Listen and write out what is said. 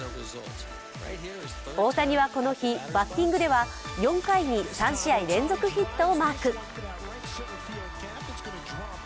大谷はこの日、バッティングでは４回に３試合連続ヒットをマーク。